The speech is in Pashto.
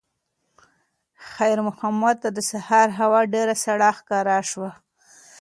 خیر محمد ته د سهار هوا ډېره سړه ښکاره شوه.